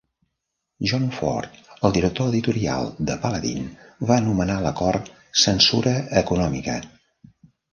Jon Ford, el director editorial de Paladin, va anomenar l'acord "censura econòmica".